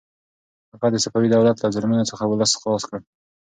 هغه د صفوي دولت له ظلمونو څخه ولس خلاص کړ.